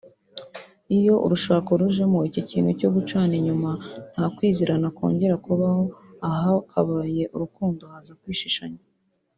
Iyo urushako rujemo icyo kintu cyo gucana inyuma nta kwizerana kongera kubaho ahakabaye urukundo haza kwishishanya